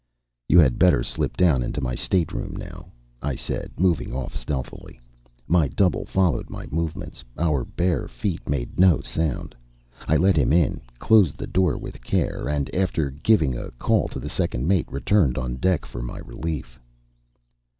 "You had better slip down into my stateroom now," I said, moving off stealthily. My double followed my movements; our bare feet made no sound; I let him in, closed the door with care, and, after giving a call to the second mate, returned on deck for my relief.